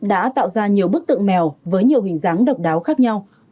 đã tạo ra nhiều bức tượng mèo với nhiều hình dáng độc đáo khác nhau